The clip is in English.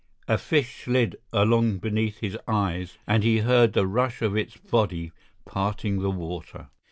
A fish slid along beneath his eyes and he heard the rush of its body parting the water.